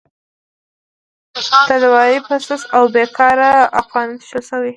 تاداو یې په سست او بې کاره عقلانیت اېښودل شوی.